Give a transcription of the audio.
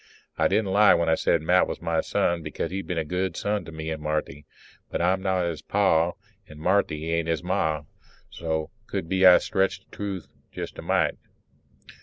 I didn't lie when I said Matt was my son, because he's been a good son to me and Marthy. But I'm not his Pa and Marthy ain't his Ma, so could be I stretched the truth jest a mite.